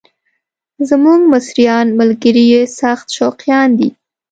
زموږ مصریان ملګري یې سخت شوقیان دي.